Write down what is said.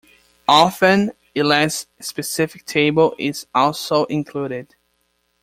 Often, a less specific table is also included.